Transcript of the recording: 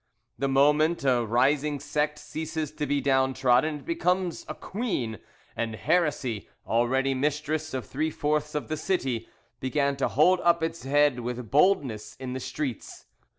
The moment a rising sect ceases to be downtrodden it becomes a queen, and heresy, already mistress of three fourths of the city, began to hold up its head with boldness in the streets.